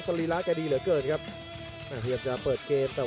ชัมเปียร์ชาเลน์